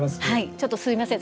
ちょっとすいません